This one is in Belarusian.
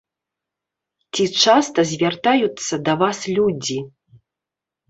Ці часта звяртаюцца да вас людзі?